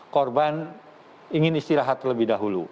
korban ingin istirahat terlebih dahulu